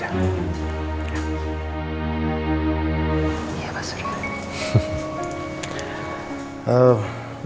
iya pak surya